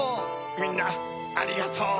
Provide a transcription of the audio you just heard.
みんなありがとう！